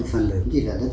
một phần lớn thì là đất dụng